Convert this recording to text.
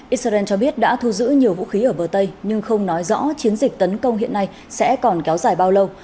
israel cho biết đã thu giữ nhiều vũ khí ở bờ tây nhưng không nói rõ chiến dịch tấn công hiện nay sẽ còn kéo dài bao lâu